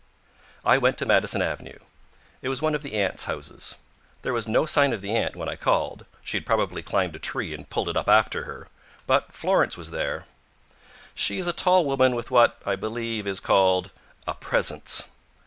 I went to Madison Avenue. It was one of the aunts' houses. There was no sign of the aunt when I called she had probably climbed a tree and pulled it up after her but Florence was there. She is a tall woman with what, I believe, is called "a presence."